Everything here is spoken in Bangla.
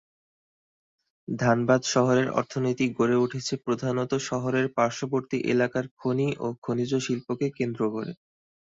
ধানবাদ শহরের অর্থনীতি গড়ে উঠেছে প্রধানত শহরের পার্শবর্তী এলাকার খনি ও খনিজ শিল্পকে কেন্দ্র করে।